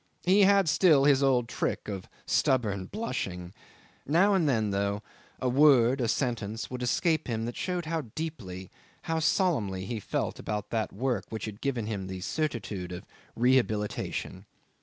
He had still his old trick of stubborn blushing. Now and then, though, a word, a sentence, would escape him that showed how deeply, how solemnly, he felt about that work which had given him the certitude of rehabilitation.